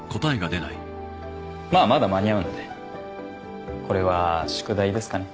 まあまだ間に合うんでこれは宿題ですかね